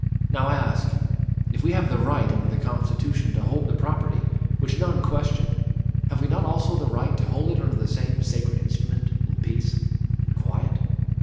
Now I ask: If we have the right under the Constitution to hold the property (which none question), have we not also the right to hold it under the same sacred instrument in peace and quiet?